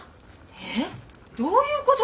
えっ？どういうことで！？